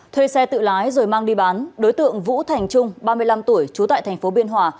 thuê xe tự lái rồi mang đi bán đối tượng vũ thành trung ba mươi năm tuổi trú tại thành phố biên hòa